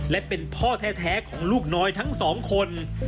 และเป็นพ่อแท้ของลูกน้อยทั้งสองคน